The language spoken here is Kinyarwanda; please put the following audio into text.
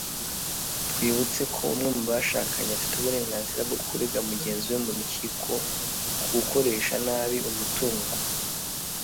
twibutse ko umwe mu bashakanye afite uburenganzira bwo kurega mugenzi we mu rukiko ku gukoresha nabi umutungo